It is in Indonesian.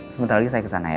sebentar lagi saya kesana ya